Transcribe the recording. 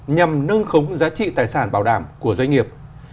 nhằm nâng khống giá trị tài sản bảo đảm của doanh nghiệp